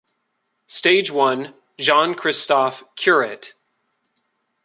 Stage one Jean-Christophe Currit.